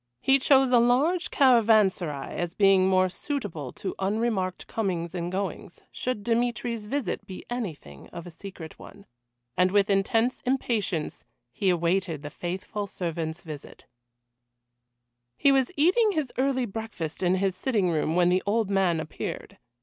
He chose a large caravanserai as being more suitable to unremarked comings and goings, should Dmitry's visit be anything of a secret one. And with intense impatience he awaited the faithful servant's visit. He was eating his early breakfast in his sitting room when the old man appeared.